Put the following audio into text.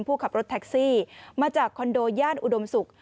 ผู้ขับรถแท็กซี่มาจากคอนโดญาติอุดมสุข